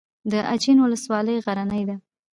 د اچین ولسوالۍ غرنۍ ده